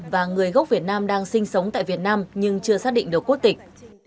và người gốc việt nam đang sinh sống tại việt nam nhưng chưa xác định được quốc tịch